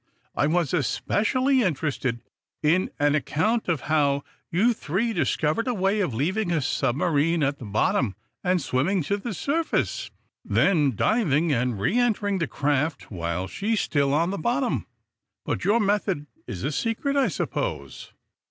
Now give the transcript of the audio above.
I was especially interested in an account of how you three discovered a way of leaving a submarine at the bottom and swimming to the surface; then diving and re entering the craft while she's still on the bottom. But your method is a secret, I suppose?"